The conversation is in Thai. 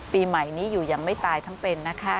ปีใหม่นี้อยู่ยังไม่ตายทั้งเป็นนะคะ